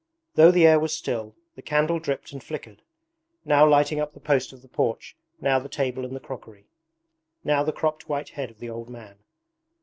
Though the air was still, the candle dripped and flickered: now lighting up the post of the porch, now the table and crockery, now the cropped white head of the old man.